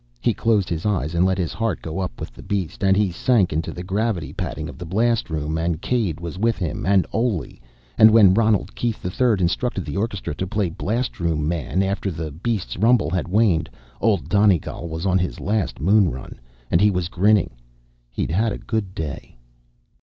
He closed his eyes and let his heart go up with the beast, and he sank into the gravity padding of the blastroom, and Caid was with him, and Oley. And when Ronald Keith, III, instructed the orchestra to play Blastroom Man, after the beast's rumble had waned, Old Donegal was on his last moon run, and he was grinning. He'd had a good day.